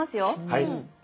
はい。